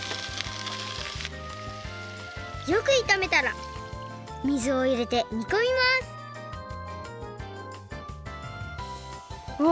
よくいためたら水をいれてにこみますうわっ！